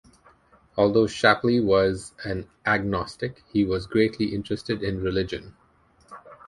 Although Shapley was an agnostic, he was greatly interested in religion.